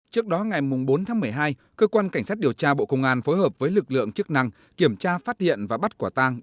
trước đó ngày bốn tháng một mươi hai cơ quan cảnh sát điều tra bộ công an phối hợp với lực lượng chức năng kiểm tra phát hiện và bắt quả tang